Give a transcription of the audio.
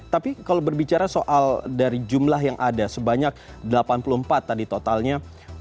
tapi kalau berbicara soal dari jumlah yang ada sebanyak delapan puluh empat tadi totalnya